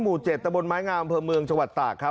หมู่๗ตะบนไม้งามอำเภอเมืองจังหวัดตากครับ